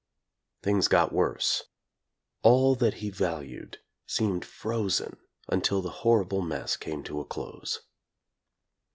Things got worse. All that he valued seemed frozen until the horrible mess came to a close.